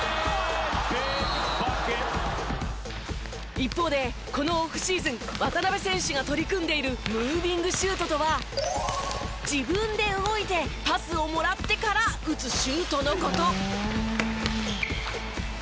一方でこのオフシーズン渡邊選手が取り組んでいるムービングシュートとは自分で動いてパスをもらってから打つシュートの事。